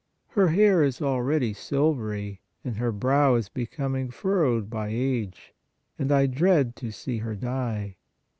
Her hair is already silvery and her brow is becoming furrowed by age, and I dread to see her die.